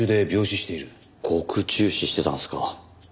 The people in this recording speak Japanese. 獄中死してたんですか。